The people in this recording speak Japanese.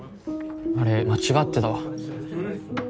あれ間違ってたわ。